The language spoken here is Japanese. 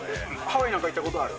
ハワイなんか行ったことある？